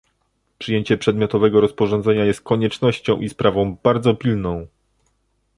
Przyjęcie przedmiotowego rozporządzenia jest koniecznością i sprawą bardzo pilną